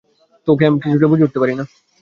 তোকে আমি বুঝে উঠতে পারি না।